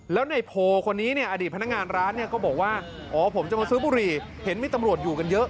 แล้วในโพลคนนี้เนี่ยอดีตพนักงานร้านเนี่ยก็บอกว่าอ๋อผมจะมาซื้อบุหรี่เห็นมีตำรวจอยู่กันเยอะ